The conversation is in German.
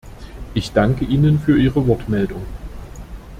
Ich danke Ihnen für Ihre Wortmeldung.